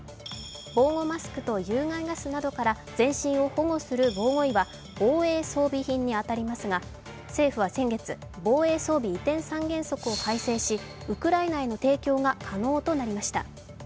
防護マスクと有害ガスなどから全身を保護する防護衣は防衛装備品に当たりますが、政府は先月、防衛装備移転三原則を改正しウクライナへの提供が可能となりました。